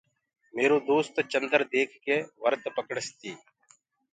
ميرو دوست چندر ديک ڪي ورت پڪڙستي۔